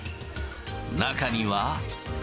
中には。